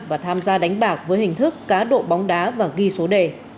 và tham gia đánh bạc với hình thức cá độ bóng đá và ghi số đề